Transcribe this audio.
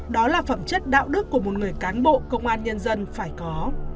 đó là phẩm chất đạo đức của một người cán bộ công an nhân dân phải có